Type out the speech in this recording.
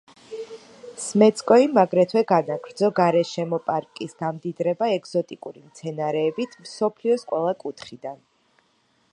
სმეცკოიმ აგრეთვე განაგრძო გარეშემო პარკის გამდიდრება ეგზოტიკური მცენარეებით მსოფლიოს ყველა კუთხიდან.